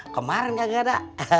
kemaren kagak ada